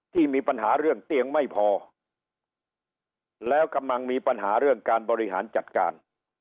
ที่มีปัญหาเรื่องเตียงไม่พอแล้วกำลังมีปัญหาเรื่องการบริหารจัดการ